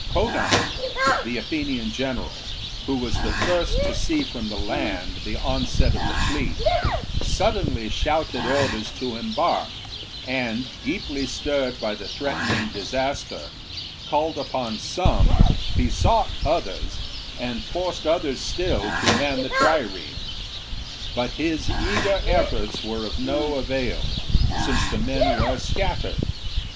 Conon, the Athenian general, who was the first to see from the land the onset of the fleet, suddenly shouted orders to embark, and deeply stirred by the threat ening disaster, called upon some, besought others, and forced others still to man the triremes. But his eager efforts were of no avail, since the men were scattered.